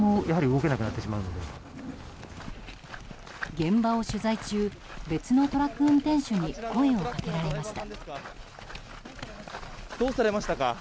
現場を取材中別のトラック運転手に声をかけられました。